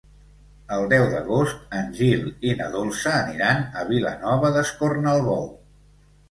El deu d'agost en Gil i na Dolça aniran a Vilanova d'Escornalbou.